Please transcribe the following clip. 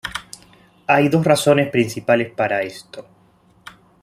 Hay dos razones principales para esto.